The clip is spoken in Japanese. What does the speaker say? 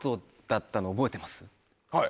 はい。